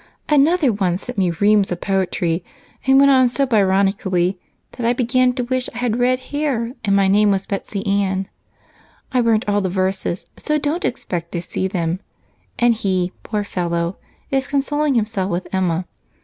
"Another sent me reams of poetry and went on so Byronically that I began to wish I had red hair and my name was Betsy Ann. I burnt all the verses, so don't expect to see them, and he, poor fellow, is consoling himself with Emma.